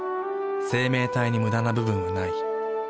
生命体にムダな部分はない。